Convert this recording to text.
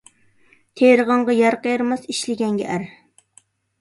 تېرىغانغا يەر قېرىماس، ئىشلىگەنگە ئەر.